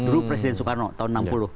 dulu presiden soekarno tahun enam puluh